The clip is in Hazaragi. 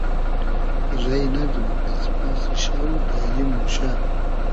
رݷ نئزو از پاسی شۆ داییم موشۂ